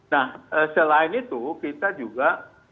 nah selain itu kita juga